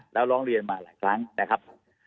แล้วร้องเรียนมาหลายครั้งนะครับ